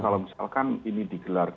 kalau misalkan ini digelar